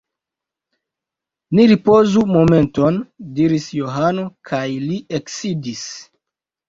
Ni ripozu momenton, diris Johano, kaj li eksidis.